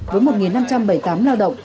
với một năm trăm bảy mươi tám lao động